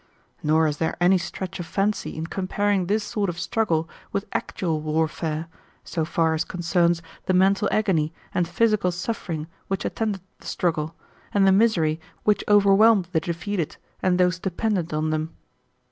Nor is there any stretch of fancy in comparing this sort of struggle with actual warfare, so far as concerns the mental agony and physical suffering which attended the struggle, and the misery which overwhelmed the defeated and those dependent on them.